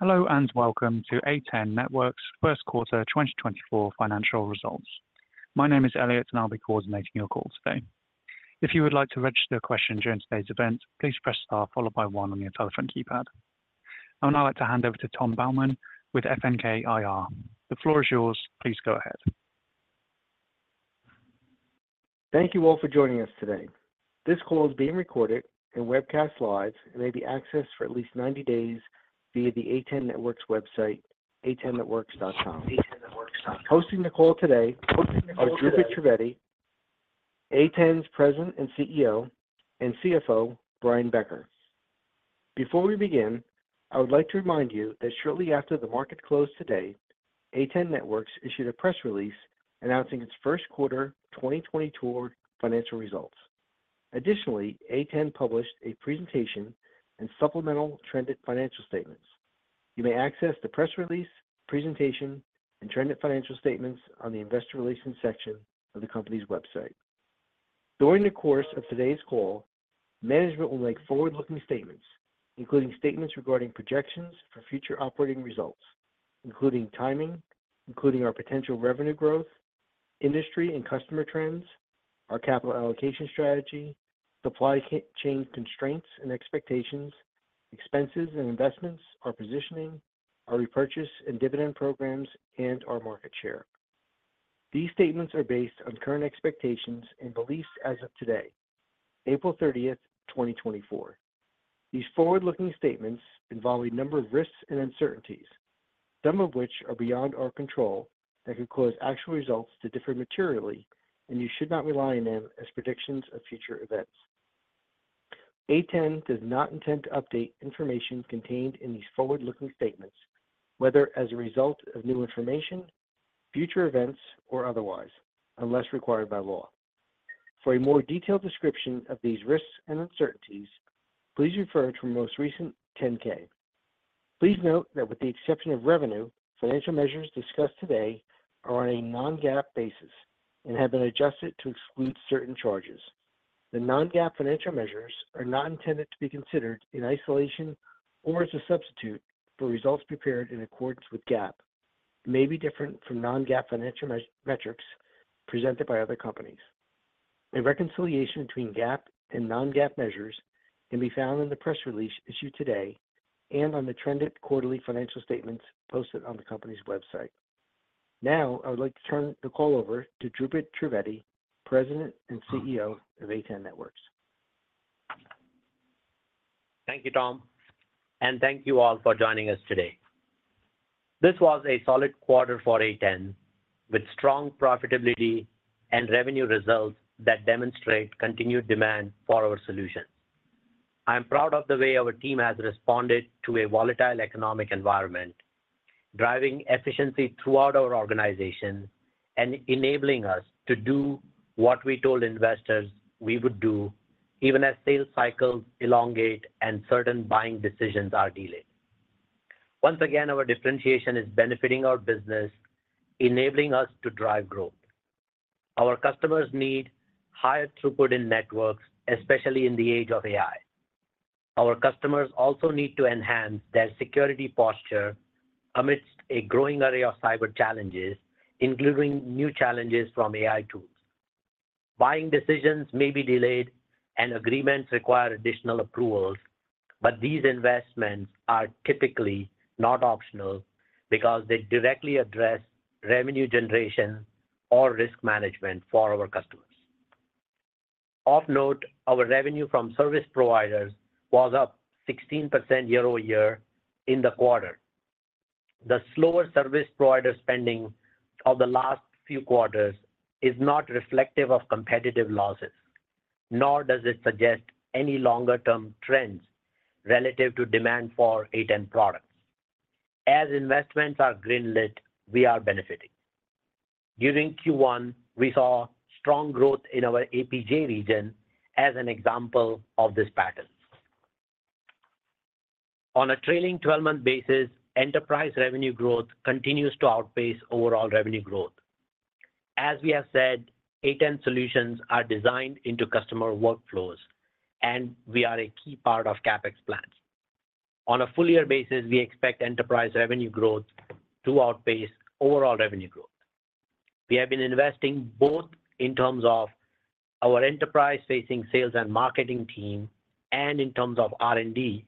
Hello, and welcome to A10 Networks' First Quarter 2024 Financial Results. My name is Elliot, and I'll be coordinating your call today. If you would like to register a question during today's event, please press Star followed by one on your telephone keypad. I would now like to hand over to Tom Baumann with FNK IR. The floor is yours. Please go ahead. Thank you all for joining us today. This call is being recorded and webcast live, and may be accessed for at least 90 days via the A10 Networks website, a10networks.com. Hosting the call today are Dhrupad Trivedi, A10's President and CEO, and CFO Brian Becker. Before we begin, I would like to remind you that shortly after the market closed today, A10 Networks issued a press release announcing its first quarter 2024 financial results. Additionally, A10 published a presentation and supplemental trended financial statements. You may access the press release, presentation, and trended financial statements on the investor relations section of the company's website. During the course of today's call, management will make forward-looking statements, including statements regarding projections for future operating results, including timing, including our potential revenue growth, industry and customer trends, our capital allocation strategy, supply chain constraints and expectations, expenses and investments, our positioning, our repurchase and dividend programs, and our market share. These statements are based on current expectations and beliefs as of today, April 30, 2024. These forward-looking statements involve a number of risks and uncertainties, some of which are beyond our control, that could cause actual results to differ materially, and you should not rely on them as predictions of future events. A10 does not intend to update information contained in these forward-looking statements, whether as a result of new information, future events, or otherwise, unless required by law. For a more detailed description of these risks and uncertainties, please refer to our most recent 10-K. Please note that with the exception of revenue, financial measures discussed today are on a non-GAAP basis and have been adjusted to exclude certain charges. The non-GAAP financial measures are not intended to be considered in isolation or as a substitute for results prepared in accordance with GAAP, and may be different from non-GAAP financial metrics presented by other companies. A reconciliation between GAAP and non-GAAP measures can be found in the press release issued today and on the trended quarterly financial statements posted on the company's website. Now, I would like to turn the call over to Dhrupad Trivedi, President and CEO of A10 Networks. Thank you, Tom, and thank you all for joining us today. This was a solid quarter for A10, with strong profitability and revenue results that demonstrate continued demand for our solutions. I am proud of the way our team has responded to a volatile economic environment, driving efficiency throughout our organization and enabling us to do what we told investors we would do, even as sales cycles elongate and certain buying decisions are delayed. Once again, our differentiation is benefiting our business, enabling us to drive growth. Our customers need higher throughput in networks, especially in the age of AI. Our customers also need to enhance their security posture amidst a growing array of cyber challenges, including new challenges from AI tools. Buying decisions may be delayed and agreements require additional approvals, but these investments are typically not optional because they directly address revenue generation or risk management for our customers. Of note, our revenue from service providers was up 16% year-over-year in the quarter. The slower service provider spending of the last few quarters is not reflective of competitive losses, nor does it suggest any longer term trends relative to demand for A10 products. As investments are greenlit, we are benefiting. During Q1, we saw strong growth in our APJ region as an example of this pattern. On a trailing twelve-month basis, enterprise revenue growth continues to outpace overall revenue growth. As we have said, A10 solutions are designed into customer workflows, and we are a key part of CapEx plans. On a full year basis, we expect enterprise revenue growth to outpace overall revenue growth. We have been investing both in terms of our enterprise-facing sales and marketing team and in terms of R&D,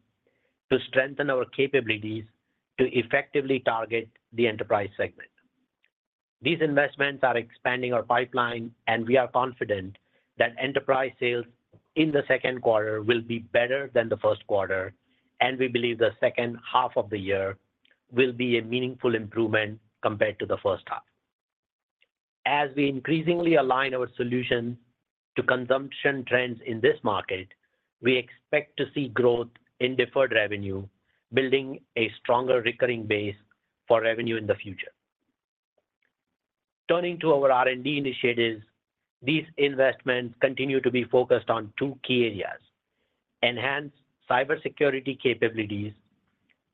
to strengthen our capabilities to effectively target the enterprise segment. These investments are expanding our pipeline, and we are confident that enterprise sales in the second quarter will be better than the first quarter, and we believe the second half of the year will be a meaningful improvement compared to the first half. As we increasingly align our solutions to consumption trends in this market, we expect to see growth in deferred revenue, building a stronger recurring base for revenue in the future. Turning to our R&D initiatives, these investments continue to be focused on two key areas: enhanced cybersecurity capabilities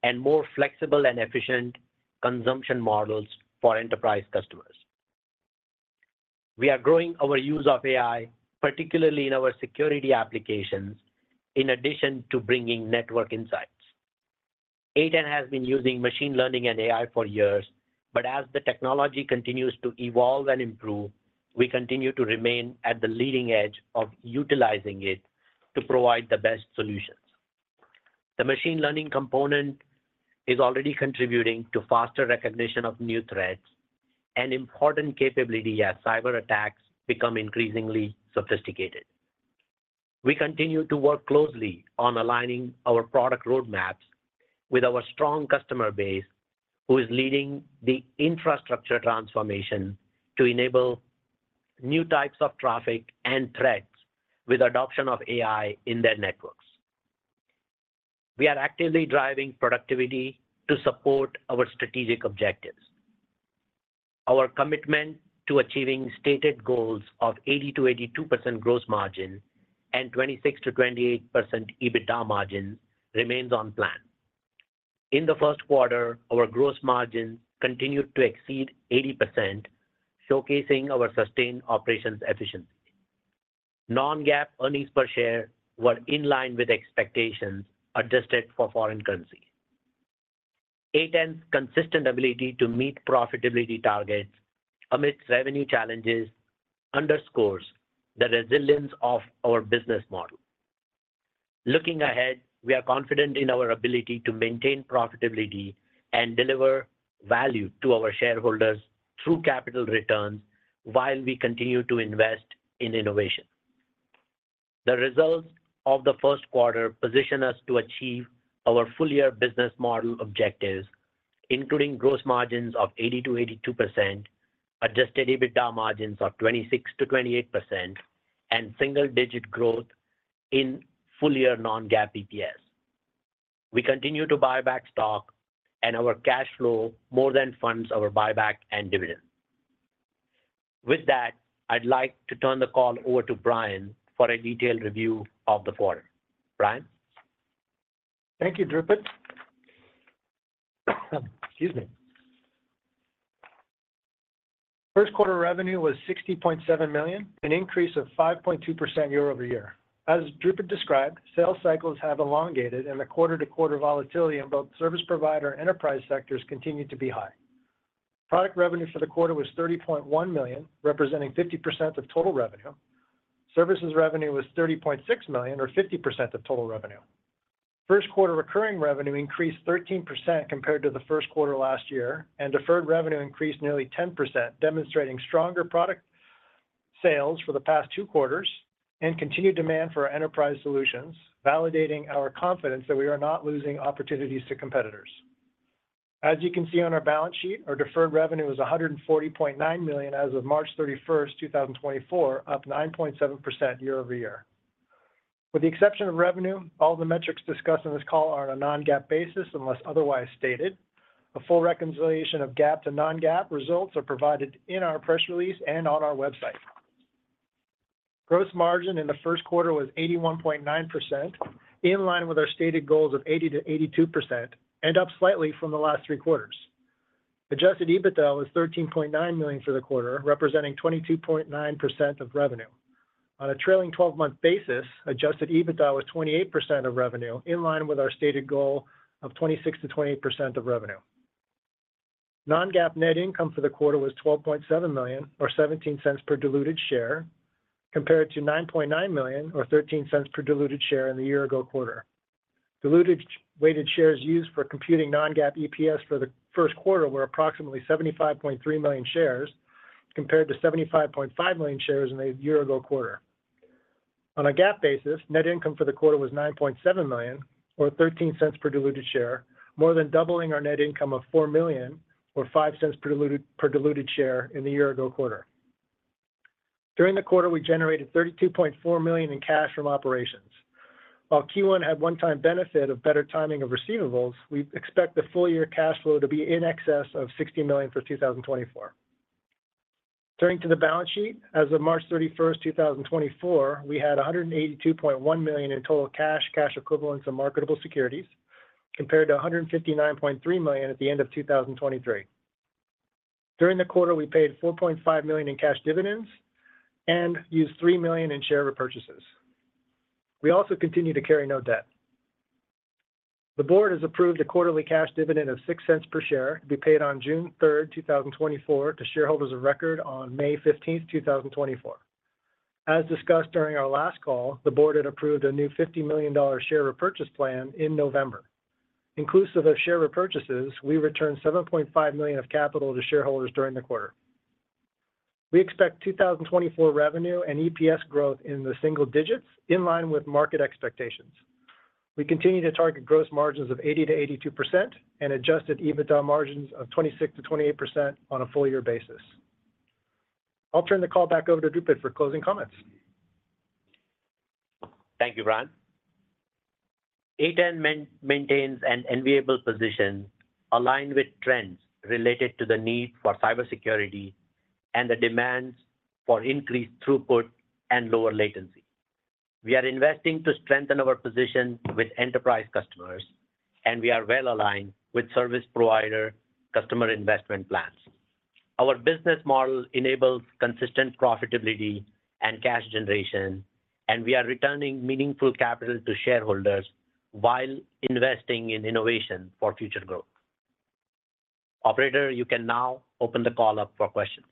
and more flexible and efficient consumption models for enterprise customers. We are growing our use of AI, particularly in our security applications, in addition to bringing network insights. A10 has been using machine learning and AI for years, but as the technology continues to evolve and improve, we continue to remain at the leading edge of utilizing it to provide the best solutions. The machine learning component is already contributing to faster recognition of new threats, an important capability as cyber attacks become increasingly sophisticated. We continue to work closely on aligning our product roadmaps with our strong customer base, who is leading the infrastructure transformation to enable new types of traffic and threats with adoption of AI in their networks. We are actively driving productivity to support our strategic objectives. Our commitment to achieving stated goals of 80%-82% gross margin and 26%-28% EBITDA margin remains on plan. In the first quarter, our gross margin continued to exceed 80%, showcasing our sustained operations efficiency. Non-GAAP earnings per share were in line with expectations, adjusted for foreign currency. A10's consistent ability to meet profitability targets amidst revenue challenges underscores the resilience of our business model. Looking ahead, we are confident in our ability to maintain profitability and deliver value to our shareholders through capital returns while we continue to invest in innovation. The results of the first quarter position us to achieve our full-year business model objectives, including gross margins of 80%-82%, adjusted EBITDA margins of 26%-28%, and single-digit growth in full-year non-GAAP EPS. We continue to buy back stock and our cash flow more than funds our buyback and dividend. With that, I'd like to turn the call over to Brian for a detailed review of the quarter. Brian? Thank you, Dhrupad. Excuse me. First quarter revenue was $60.7 million, an increase of 5.2% year-over-year. As Dhrupad described, sales cycles have elongated, and the quarter-to-quarter volatility in both service provider and enterprise sectors continued to be high. Product revenue for the quarter was $30.1 million, representing 50% of total revenue. Services revenue was $30.6 million, or 50% of total revenue. First quarter recurring revenue increased 13% compared to the first quarter last year, and deferred revenue increased nearly 10%, demonstrating stronger product sales for the past two quarters and continued demand for our enterprise solutions, validating our confidence that we are not losing opportunities to competitors. As you can see on our balance sheet, our deferred revenue is $140.9 million as of March 31, 2024, up 9.7% year-over-year. With the exception of revenue, all the metrics discussed on this call are on a non-GAAP basis, unless otherwise stated. A full reconciliation of GAAP to non-GAAP results are provided in our press release and on our website. Gross margin in the first quarter was 81.9%, in line with our stated goals of 80%-82%, and up slightly from the last three quarters. Adjusted EBITDA was $13.9 million for the quarter, representing 22.9% of revenue. On a trailing twelve-month basis, adjusted EBITDA was 28% of revenue, in line with our stated goal of 26%-28% of revenue. Non-GAAP net income for the quarter was $12.7 million, or $0.17 per diluted share, compared to $9.9 million, or $0.13 per diluted share in the year ago quarter. Diluted weighted shares used for computing non-GAAP EPS for the first quarter were approximately 75.3 million shares, compared to 75.5 million shares in the year ago quarter. On a GAAP basis, net income for the quarter was $9.7 million, or $0.13 per diluted share, more than doubling our net income of $4 million or $0.05 per diluted share in the year ago quarter. During the quarter, we generated $32.4 million in cash from operations. While Q1 had one-time benefit of better timing of receivables, we expect the full year cash flow to be in excess of $60 million for 2024. Turning to the balance sheet. As of March 31, 2024, we had $182.1 million in total cash, cash equivalents, and marketable securities, compared to $159.3 million at the end of 2023. During the quarter, we paid $4.5 million in cash dividends and used $3 million in share repurchases. We also continue to carry no debt. The board has approved a quarterly cash dividend of $0.06 per share to be paid on June 3, 2024, to shareholders of record on May 15, 2024. As discussed during our last call, the board had approved a new $50 million share repurchase plan in November. Inclusive of share repurchases, we returned $7.5 million of capital to shareholders during the quarter. We expect 2024 revenue and EPS growth in the single digits, in line with market expectations. We continue to target gross margins of 80%-82% and adjusted EBITDA margins of 26%-28% on a full-year basis. I'll turn the call back over to Dhrupad for closing comments. Thank you, Brian. A10 maintains an enviable position aligned with trends related to the need for cybersecurity and the demands for increased throughput and lower latency. We are investing to strengthen our position with enterprise customers, and we are well aligned with service provider customer investment plans. Our business model enables consistent profitability and cash generation, and we are returning meaningful capital to shareholders while investing in innovation for future growth. Operator, you can now open the call up for questions.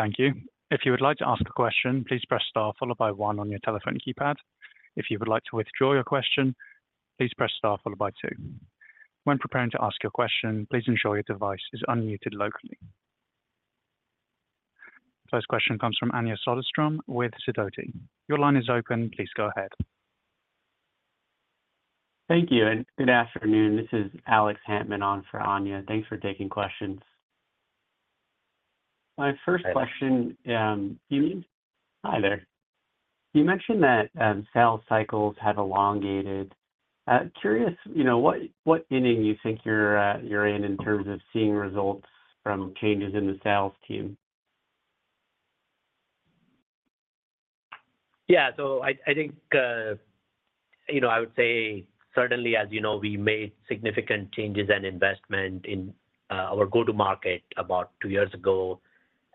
Thank you. If you would like to ask a question, please press star followed by one on your telephone keypad. If you would like to withdraw your question, please press star followed by two. When preparing to ask your question, please ensure your device is unmuted locally. First question comes from Anja Soderstrom with Sidoti. Your line is open. Please go ahead. Thank you, and good afternoon. This is Alex Hantman on for Anja. Thanks for taking questions. My first question, hi there. You mentioned that sales cycles have elongated. Curious, you know, what inning you think you're, you're in, in terms of seeing results from changes in the sales team? Yeah. So I think, you know, I would say certainly, as you know, we made significant changes and investment in our go-to-market about 2 years ago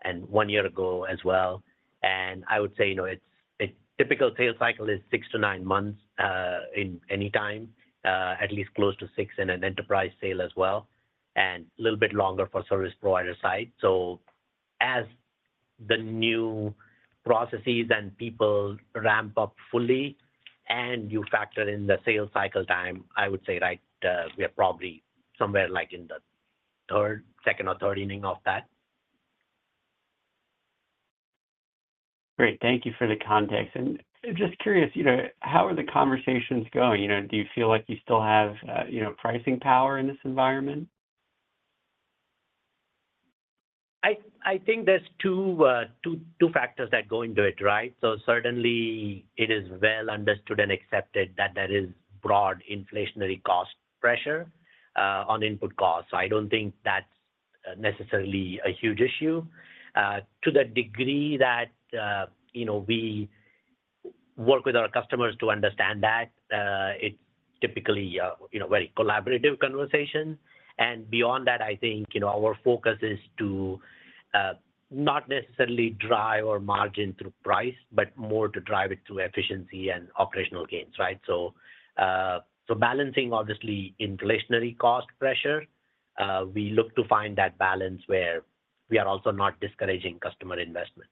and 1 year ago as well. And I would say, you know, it's a typical sales cycle is 6-9 months in any time, at least close to 6 in an enterprise sale as well, and a little bit longer for service provider side. So as the new processes and people ramp up fully and you factor in the sales cycle time, I would say, right, we are probably somewhere like in the second or third inning of that. Great. Thank you for the context. Just curious, you know, how are the conversations going? You know, do you feel like you still have, you know, pricing power in this environment? I think there's two factors that go into it, right? So certainly it is well understood and accepted that there is broad inflationary cost pressure on input costs. So I don't think that's necessarily a huge issue. To the degree that, you know, we work with our customers to understand that, it's typically a, you know, very collaborative conversation. And beyond that, I think, you know, our focus is to not necessarily drive our margin through price, but more to drive it through efficiency and operational gains, right? So, so balancing obviously inflationary cost pressure, we look to find that balance where we are also not discouraging customer investment.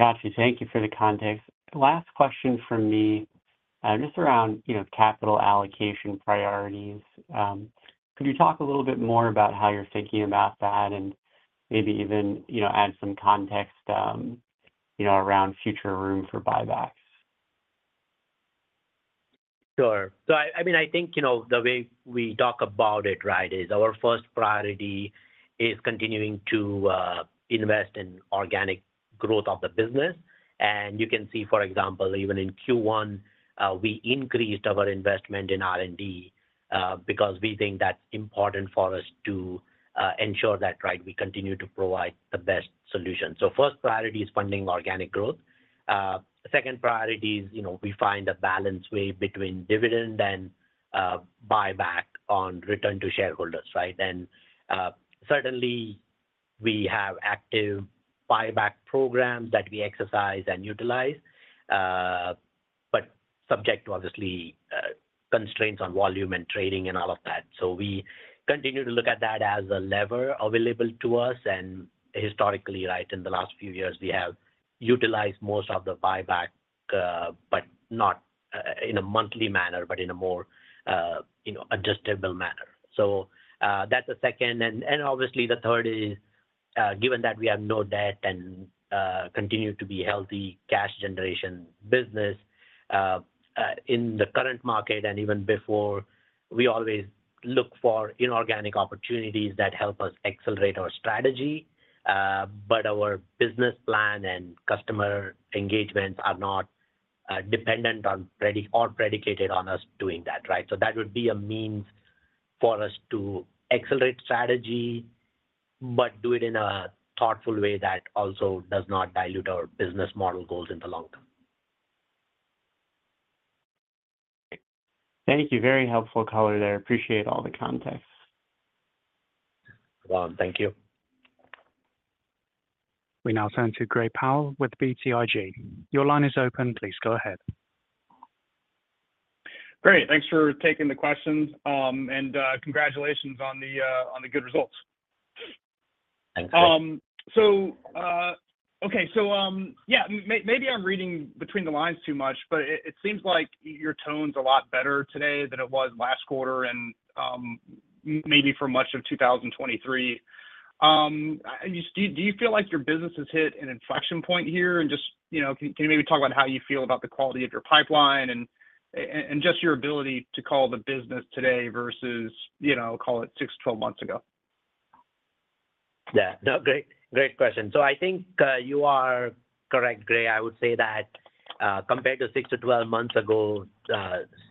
Got you. Thank you for the context. Last question from me, just around, you know, capital allocation priorities. Could you talk a little bit more about how you're thinking about that and maybe even, you know, add some context, you know, around future room for buybacks? Sure. So I mean, I think, you know, the way we talk about it, right, is our first priority is continuing to invest in organic growth of the business. And you can see, for example, even in Q1, we increased our investment in R&D, because we think that's important for us to ensure that, right, we continue to provide the best solution. So first priority is funding organic growth. Second priority is, you know, we find a balanced way between dividend and buyback on return to shareholders, right? And certainly we have active buyback programs that we exercise and utilize, but subject to obviously constraints on volume and trading and all of that. So we continue to look at that as a lever available to us, and historically, right, in the last few years, we have utilized most of the buyback, but not in a monthly manner, but in a more, you know, adjustable manner. So that's the second. And obviously the third is, given that we have no debt and continue to be healthy cash generation business, in the current market and even before, we always look for inorganic opportunities that help us accelerate our strategy. But our business plan and customer engagements are not dependent on or predicated on us doing that, right? So that would be a means for us to accelerate strategy, but do it in a thoughtful way that also does not dilute our business model goals in the long term. Thank you. Very helpful color there. I appreciate all the context. Well, thank you. We now turn to Gray Powell with BTIG. Your line is open. Please go ahead. Great. Thanks for taking the questions, and congratulations on the good results. Thank you. So, okay, so, yeah, maybe I'm reading between the lines too much, but it seems like your tone's a lot better today than it was last quarter and maybe for much of 2023. Do you feel like your business has hit an inflection point here? And just, you know, can you maybe talk about how you feel about the quality of your pipeline and just your ability to call the business today versus, you know, call it 6, 12 months ago? Yeah. No, great, great question. So I think, you are correct, Gray. I would say that, compared to 6-12 months ago,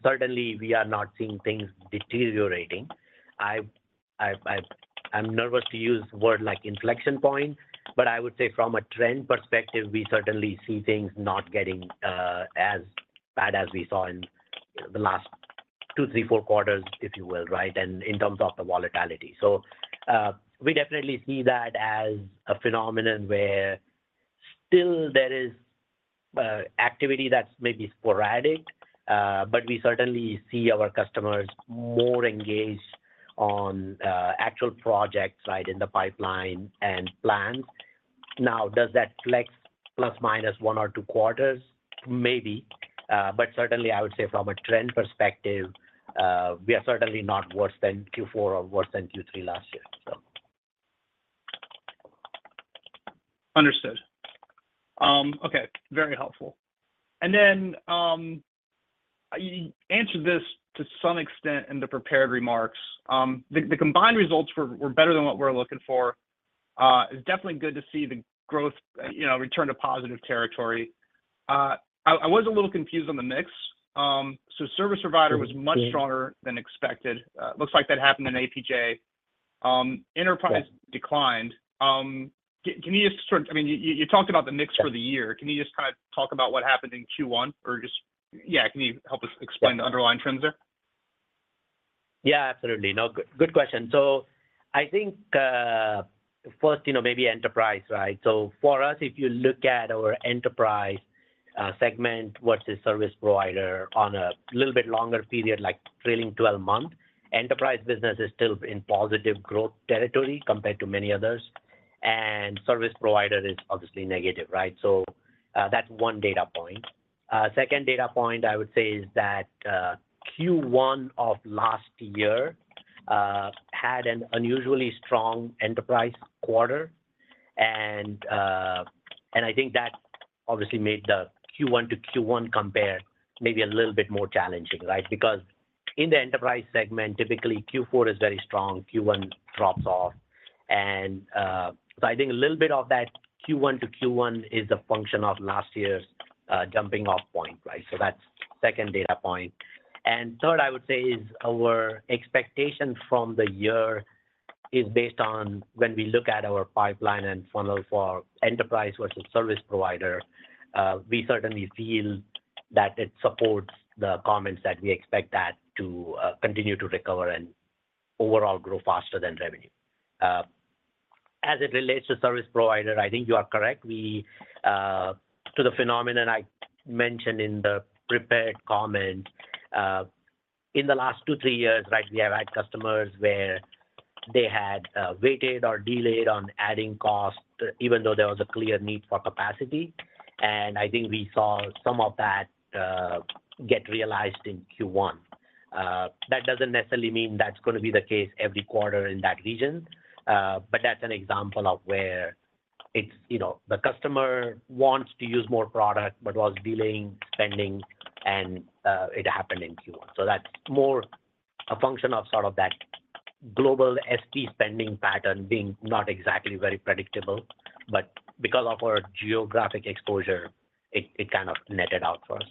certainly we are not seeing things deteriorating. I'm nervous to use a word like inflection point, but I would say from a trend perspective, we certainly see things not getting as bad as we saw in the last 2, 3, 4 quarters, if you will, right? And in terms of the volatility. So, we definitely see that as a phenomenon where still there is activity that's maybe sporadic, but we certainly see our customers more engaged on actual projects, right, in the pipeline and plans. Now, does that flex plus, minus 1 or 2 quarters? Maybe. But certainly I would say from a trend perspective, we are certainly not worse than Q4 or worse than Q3 last year, so. Understood. Okay, very helpful. And then, you answered this to some extent in the prepared remarks. The combined results were better than what we're looking for. It's definitely good to see the growth, you know, return to positive territory. I was a little confused on the mix. So service provider was much stronger than expected. Looks like that happened in APJ. Enterprise declined. Can you just sort of—I mean, you talked about the mix for the year. Can you just kind of talk about what happened in Q1? Or just, yeah, can you help us explain the underlying trends there? Yeah, absolutely. No, good, good question. So I think, first, you know, maybe enterprise, right? So for us, if you look at our enterprise, segment versus service provider on a little bit longer period, like trailing twelve months, enterprise business is still in positive growth territory compared to many others, and service provider is obviously negative, right? So, that's one data point. Second data point, I would say, is that, Q1 of last year, had an unusually strong enterprise quarter. And, and I think that obviously made the Q1 to Q1 compare maybe a little bit more challenging, right? Because in the enterprise segment, typically Q4 is very strong, Q1 drops off. And, so I think a little bit of that Q1 to Q1 is a function of last year's, jumping off point, right? So that's second data point. And third, I would say, is our expectation from the year is based on when we look at our pipeline and funnel for enterprise versus service provider, we certainly feel that it supports the comments that we expect that to continue to recover and overall grow faster than revenue. As it relates to service provider, I think you are correct. We, to the phenomenon I mentioned in the prepared comment, in the last two, three years, right, we have had customers where they had waited or delayed on adding cost, even though there was a clear need for capacity, and I think we saw some of that get realized in Q1. That doesn't necessarily mean that's going to be the case every quarter in that region, but that's an example of where it's, you know, the customer wants to use more product, but was delaying spending, and it happened in Q1. So that's more a function of sort of that global SP spending pattern being not exactly very predictable, but because of our geographic exposure, it kind of netted out for us.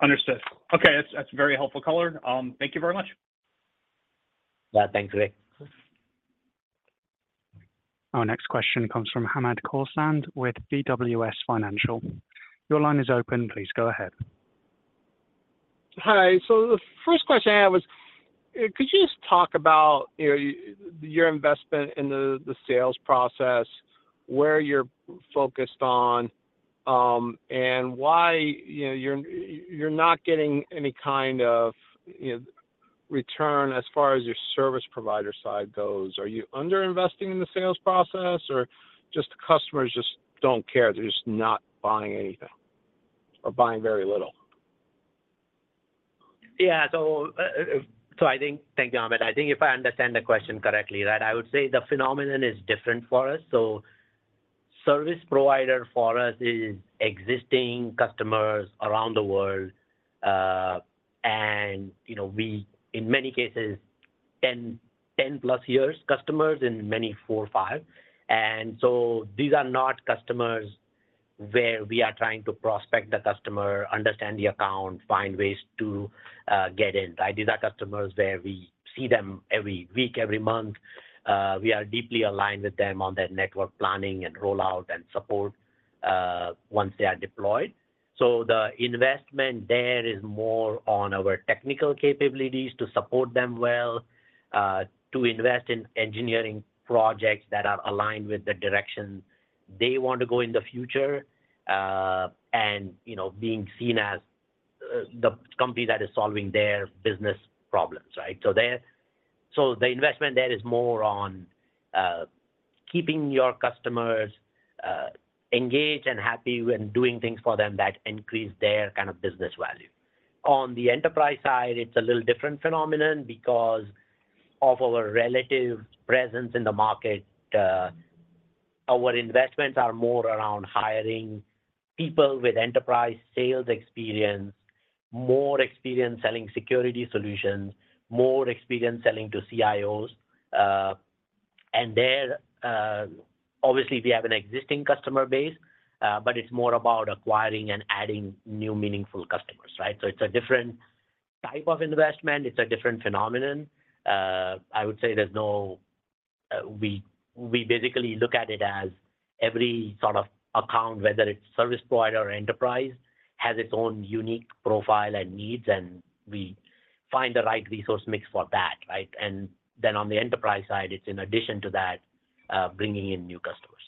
Understood. Okay, that's very helpful color. Thank you very much. Yeah, thanks, Rich. Our next question comes from Hamed Khorsand with BWS Financial. Your line is open, please go ahead. Hi. So the first question I have is, could you just talk about, you know, your investment in the, the sales process, where you're focused on, and why, you know, you're, you're not getting any kind of, you know, return as far as your service provider side goes? Are you under-investing in the sales process or just the customers just don't care, they're just not buying anything or buying very little? Yeah. So, I think... Thank you, Hamed. I think if I understand the question correctly, that I would say the phenomenon is different for us. So service provider for us is existing customers around the world, and, you know, we, in many cases, 10, 10+ years customers, in many, 4, 5. And so these are not customers where we are trying to prospect the customer, understand the account, find ways to get in. These are customers where we see them every week, every month. We are deeply aligned with them on their network planning and rollout and support, once they are deployed. So the investment there is more on our technical capabilities to support them well, to invest in engineering projects that are aligned with the direction they want to go in the future, and, you know, being seen as the company that is solving their business problems, right? So the investment there is more on keeping your customers engaged and happy and doing things for them that increase their kind of business value. On the enterprise side, it's a little different phenomenon because of our relative presence in the market. Our investments are more around hiring people with enterprise sales experience, more experience selling security solutions, more experience selling to CIOs. And there, obviously, we have an existing customer base, but it's more about acquiring and adding new, meaningful customers, right? So it's a different type of investment, it's a different phenomenon. I would say we basically look at it as every sort of account, whether it's service provider or enterprise, has its own unique profile and needs, and we find the right resource mix for that, right? And then on the enterprise side, it's in addition to that, bringing in new customers.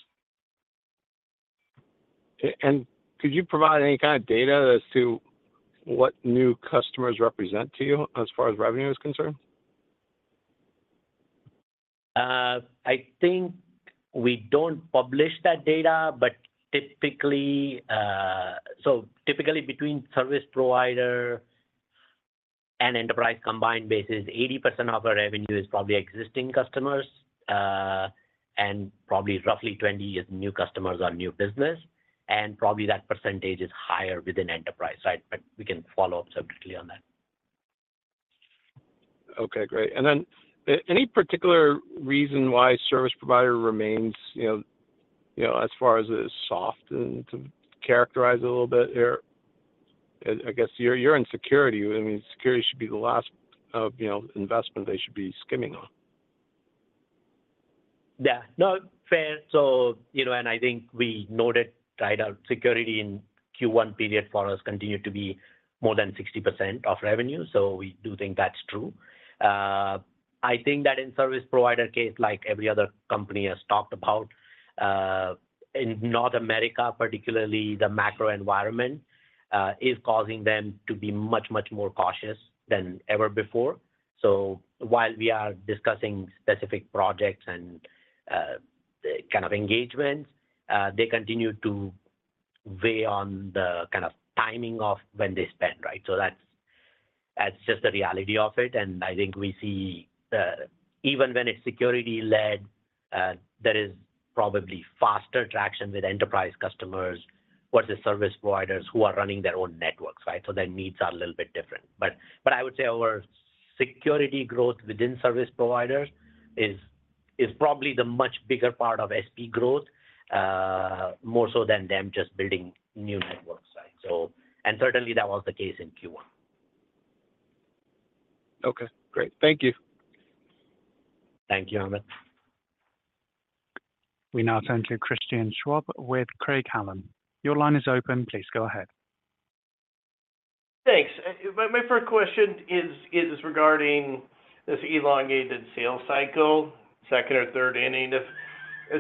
Could you provide any kind of data as to what new customers represent to you as far as revenue is concerned? I think we don't publish that data, but typically, so typically between service provider and enterprise combined basis, 80% of our revenue is from the existing customers, and probably roughly 20 is new customers or new business, and probably that percentage is higher within enterprise, right? But we can follow up separately on that. Okay, great. And then, any particular reason why service provider remains, you know, you know, as far as it is soft, and to characterize it a little bit there? I guess you're in security. I mean, security should be the last of, you know, investment they should be skimming on. Yeah. No, fair. So, you know, and I think we noted that our security in Q1 period for us continued to be more than 60% of revenue, so we do think that's true. I think that in service provider case, like every other company has talked about, in North America, particularly, the macro environment is causing them to be much, much more cautious than ever before. So while we are discussing specific projects and, kind of engagements, they continue to weigh on the kind of timing of when they spend, right? So that's, that's just the reality of it, and I think we see the even when it's security-led, there is probably faster traction with enterprise customers versus service providers who are running their own networks, right? So their needs are a little bit different. But I would say our security growth within service providers is probably the much bigger part of SP growth, more so than them just building new network sites. So, and certainly, that was the case in Q1. Okay, great. Thank you. Thank you, Ahmed. We now turn to Christian Schwab with Craig-Hallum. Your line is open. Please go ahead. Thanks. My first question is regarding this elongated sales cycle, second or third inning. Just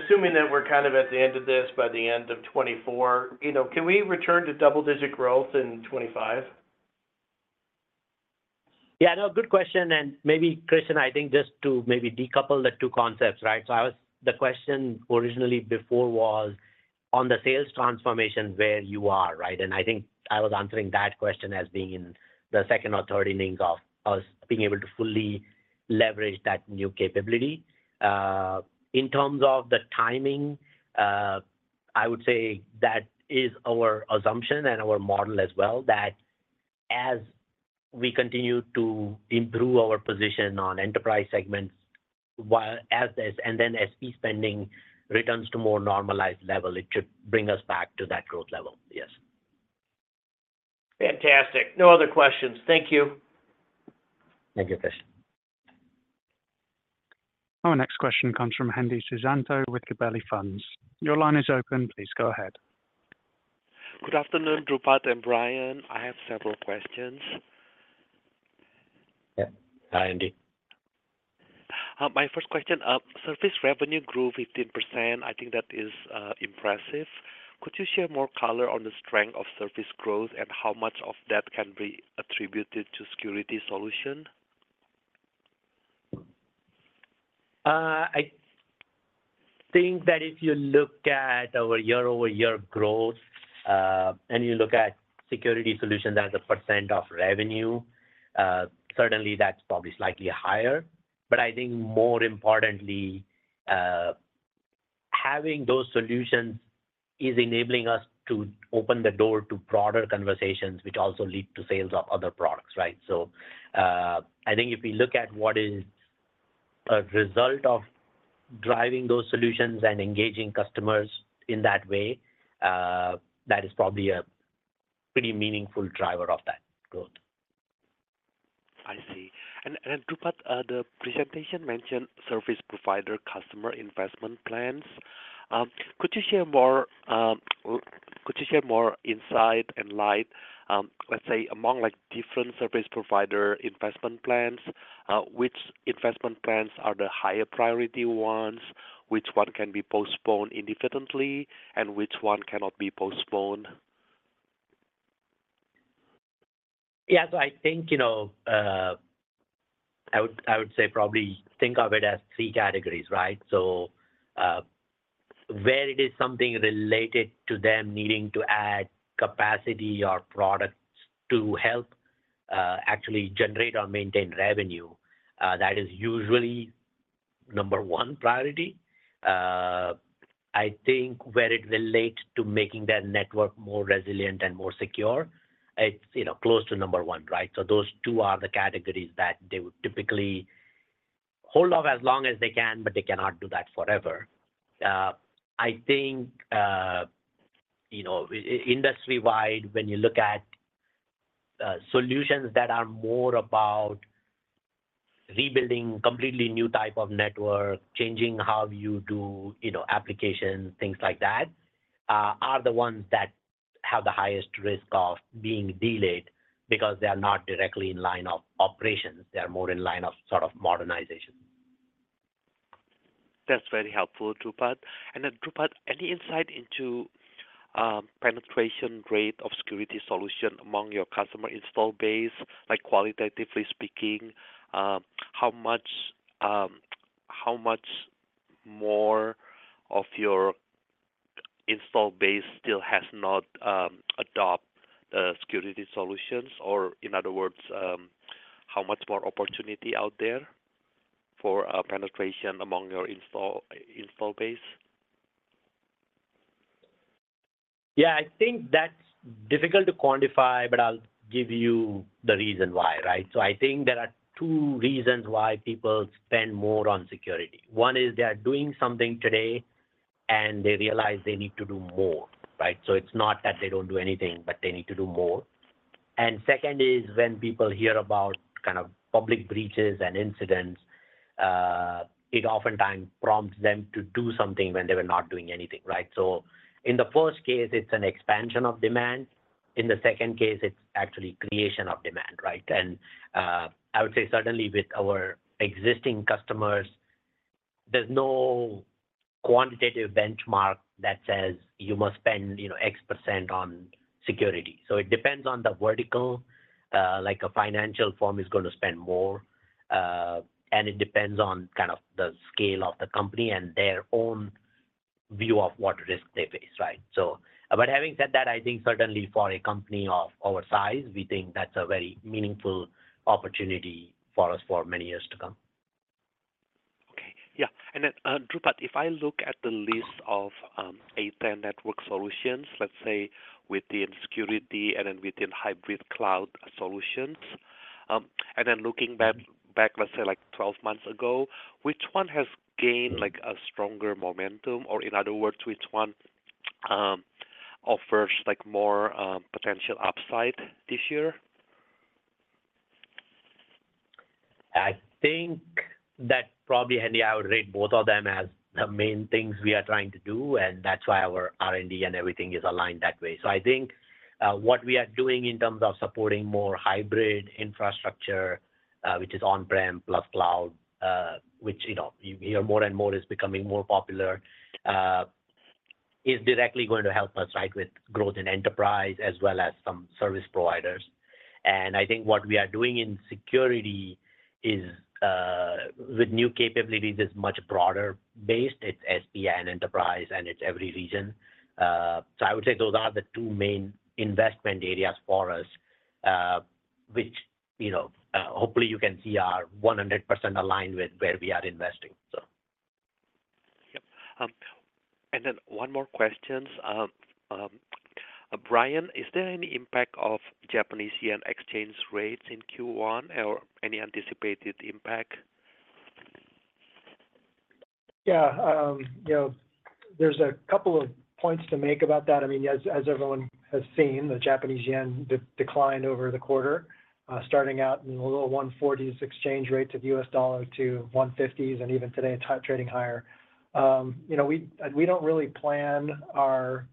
assuming that we're kind of at the end of this by the end of 2024, you know, can we return to double-digit growth in 2025? Yeah, no, good question, and maybe, Christian, I think just to maybe decouple the two concepts, right? So the question originally before was on the sales transformation where you are, right? And I think I was answering that question as being in the second or third inning of us being able to fully leverage that new capability. In terms of the timing, I would say that is our assumption and our model as well, that as we continue to improve our position on enterprise segments, while as this, and then SP spending returns to more normalized level, it should bring us back to that growth level. Yes. Fantastic. No other questions. Thank you. Thank you, Christian. Our next question comes from Hendi Susanto with Gabelli Funds. Your line is open. Please go ahead. Good afternoon, Dhrupad and Brian. I have several questions. Yeah. Hi, Hendi. My first question, service revenue grew 15%. I think that is impressive. Could you share more color on the strength of service growth and how much of that can be attributed to security solution? I think that if you look at our year-over-year growth, and you look at security solution as a percent of revenue, certainly that's probably slightly higher. But I think more importantly, having those solutions is enabling us to open the door to broader conversations, which also lead to sales of other products, right? So, I think if we look at what is a result of driving those solutions and engaging customers in that way, that is probably a pretty meaningful driver of that growth. I see. And Dhrupad, the presentation mentioned service provider customer investment plans. Could you share more insight and light, let's say among, like, different service provider investment plans? Which investment plans are the higher priority ones, which one can be postponed indefinitely, and which one cannot be postponed? Yeah, so I think, you know, I would say probably think of it as three categories, right? So, where it is something related to them needing to add capacity or products to help actually generate or maintain revenue, that is usually number one priority. I think where it relates to making that network more resilient and more secure, it's, you know, close to number one, right? So those two are the categories that they would typically hold off as long as they can, but they cannot do that forever. I think, you know, industry-wide, when you look at solutions that are more about rebuilding completely new type of network, changing how you do, you know, applications, things like that, are the ones that have the highest risk of being delayed because they are not directly in line of operations. They are more in line of sort of modernization. That's very helpful, Dhrupad. And then, Dhrupad, any insight into penetration rate of security solution among your customer install base? Like qualitatively speaking, how much more of your install base still has not adopt the security solutions? Or in other words, how much more opportunity out there for penetration among your install base? Yeah, I think that's difficult to quantify, but I'll give you the reason why, right? So I think there are two reasons why people spend more on security. One is they are doing something today, and they realize they need to do more, right? So it's not that they don't do anything, but they need to do more. And second is when people hear about kind of public breaches and incidents, it oftentimes prompts them to do something when they were not doing anything, right? So in the first case, it's an expansion of demand. In the second case, it's actually creation of demand, right? And, I would say certainly with our existing customers, there's no quantitative benchmark that says you must spend, you know, X% on security. So it depends on the vertical, like a financial firm is going to spend more, and it depends on kind of the scale of the company and their own view of what risk they face, right? So but having said that, I think certainly for a company of our size, we think that's a very meaningful opportunity for us for many years to come. Okay, yeah. And then, Dhrupad, if I look at the list of A10 Networks solutions, let's say within security and then within hybrid cloud solutions, and then looking back, let's say, like 12 months ago, which one has gained, like, a stronger momentum, or in other words, which one offers, like, more potential upside this year? I think that probably, Hendi, I would rate both of them as the main things we are trying to do, and that's why our R&D and everything is aligned that way. So I think what we are doing in terms of supporting more hybrid infrastructure, which is on-prem plus cloud, which, you know, you know, more and more is becoming more popular, is directly going to help us, right, with growth in enterprise as well as some service providers. And I think what we are doing in security is, with new capabilities, is much broader based. It's SPI and enterprise, and it's every region. So I would say those are the two main investment areas for us, which, you know, hopefully you can see are 100% aligned with where we are investing. So... Yep. And then one more questions. Brian, is there any impact of Japanese yen exchange rates in Q1 or any anticipated impact? Yeah. You know, there's a couple of points to make about that. I mean, as everyone has seen, the Japanese yen declined over the quarter, starting out in the low 140 exchange rates of U.S. dollar to 150s, and even today, it's high trading higher. You know, we don't really plan our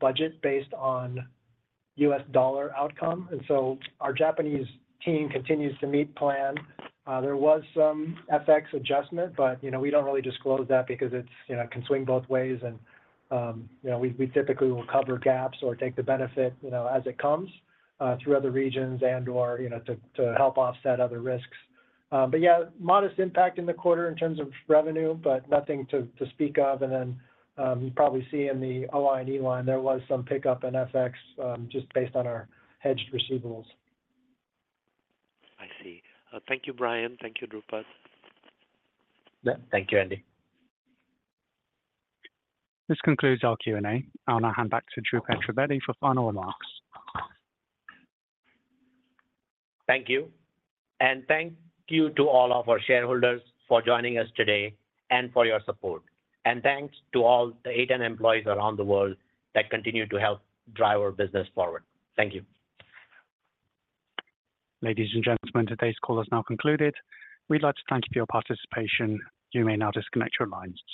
budget based on U.S. dollar outcome, and so our Japanese team continues to meet plan. There was some FX adjustment, but you know, we don't really disclose that because it's you know, can swing both ways. And you know, we typically will cover gaps or take the benefit, you know, as it comes through other regions and, or, you know, to help offset other risks. But yeah, modest impact in the quarter in terms of revenue, but nothing to speak of. Then, you probably see in the OI and E line, there was some pickup in FX, just based on our hedged receivables. I see. Thank you, Brian. Thank you, Dhrupad. Yeah. Thank you, Hendi. This concludes our Q&A. I'll now hand back to Dhrupad Trivedi for final remarks. Thank you. And thank you to all of our shareholders for joining us today and for your support. And thanks to all the A10 employees around the world that continue to help drive our business forward. Thank you. Ladies and gentlemen, today's call is now concluded. We'd like to thank you for your participation. You may now disconnect your lines.